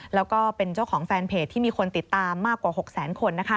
แล้วก็เป็นเจ้าของแฟนเพจที่มีคนติดตามมากกว่า๖แสนคน